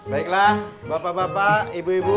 baiklah bapak bapak ibu ibu